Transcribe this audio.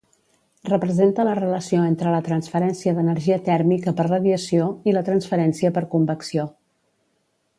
Representa la relació entre la transferència d'energia tèrmica per radiació i la transferència per convecció.